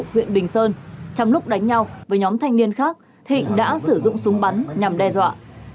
huyện bình sơn trong lúc đánh nhau với nhóm thanh niên khác thịnh đã sử dụng súng bắn nhằm đe dọa